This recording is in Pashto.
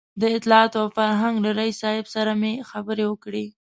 د اطلاعاتو او فرهنګ له رییس صاحب سره مې خبرې وکړې.